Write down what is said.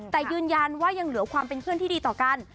แต่ยืนยันว่ายังเหลือความเป็นเพื่อนที่ดีต่อกัน